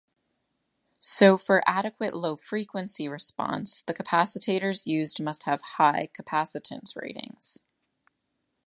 So for adequate low frequency response, the capacitors used must have high capacitance ratings.